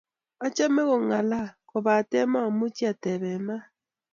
Achame kolalang',kobate mamuchi atepe maat.